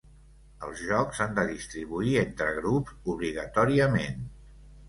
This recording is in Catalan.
Els jocs s'han de distribuir entre grups obligatòriament.